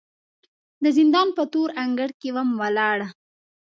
د زندان په تور انګړ کې وم ولاړه